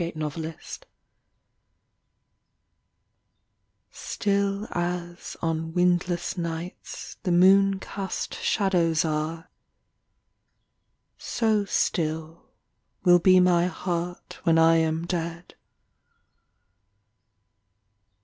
MOON SHADOWS Still as On windless nights The moon cast shadows are, So still will be my heart when 1 Am dead.